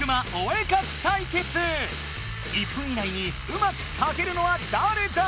１分以内にうまく描けるのはだれだ？